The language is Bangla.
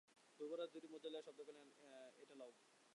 যুবরাজ দুইটি মুদ্রা লইয়া শব্দ করিয়া কহিলেন, এই লও।